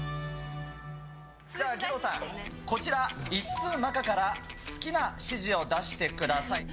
じゃあ、義堂さん、こちら、５つの中から好きな指示を出してください。